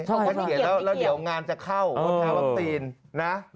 เขาก็เขียนแล้วเดี๋ยวงานจะเข้าว่าแพ้วัคซีนนะ